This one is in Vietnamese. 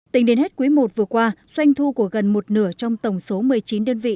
tính đến hết quý i vừa qua doanh thu của gần một nửa trong tổng số một mươi chín đơn vị